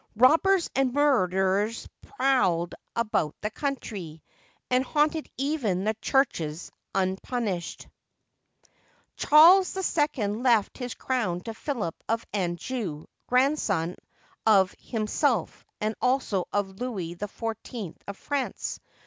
Robbers and murderers prowled about the country, and haunted even the churches unpunished. [Charles II left his crown to Philip of Anjou, grandson of himself and also of Louis XIV of France.